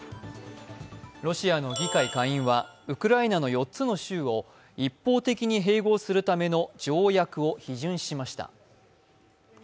ロシアの議会下院はウクライナの４つの州を一方的に併合するための条約を批准しました。